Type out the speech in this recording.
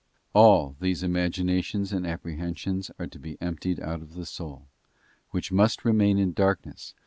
All these imaginations and apprehensions are to be emptied ut of the soul, which must remain in darkness so far as it VOL.